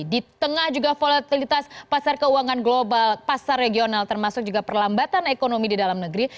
di tengah juga volatilitas pasar keuangan global pasar regional termasuk juga perlambatan ekonomi di dalam negeri